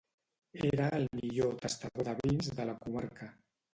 Era el millor tastador de vins de la comarca.